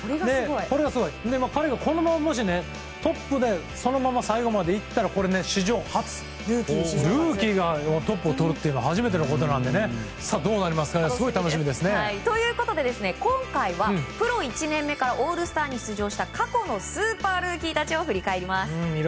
彼がこのままもしトップでそのまま最後までいったら史上初ルーキーがトップを取るのは初めてのことなのでどうなるかすごく楽しみですね。ということで今回はプロ１年目からオールスターに出場した過去のスーパールーキーたちを振り返ります。